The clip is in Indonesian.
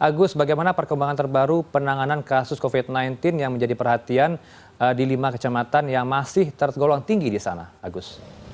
agus bagaimana perkembangan terbaru penanganan kasus covid sembilan belas yang menjadi perhatian di lima kecamatan yang masih tergolong tinggi di sana agus